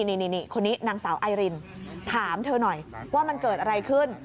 นี่คนนี้นางสาวไอรินถามเธอหน่อยว่ามันเกิดอะไรขึ้น